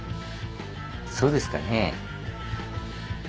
そうですかね？